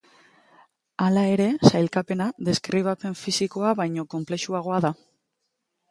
Hala ere, sailkapena, deskribapen fisikoa baino konplexuagoa da.